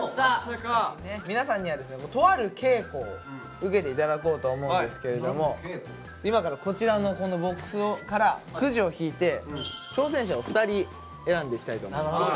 皆さんにはですねとある稽古を受けて頂こうと思うんですけれども今からこちらのこのボックスからクジを引いて挑戦者を２人選んでいきたいと思います。